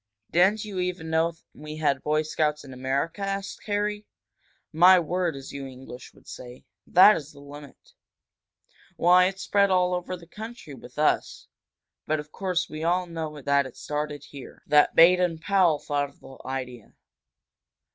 "Didn't you even know we had Boy Scouts in America?" asked Harry. "My word as you English would say. That is the limit! Why, it's spread all over the country with us. But of course we all know that it started here that Baden Powell thought of the idea!"